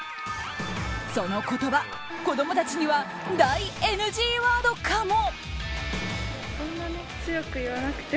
その言葉、子供たちには大ＮＧワードかも。